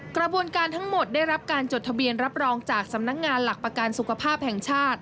กระบวนการทั้งหมดได้รับการจดทะเบียนรับรองจากสำนักงานหลักประกันสุขภาพแห่งชาติ